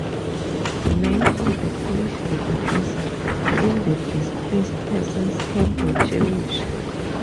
Many of the Polish refugees in the Displaced Persons camps were Jewish.